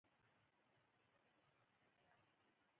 د اوسنیو ییږانو او غویانو د نیکونو د خپرېدو په اړه معلومات شته.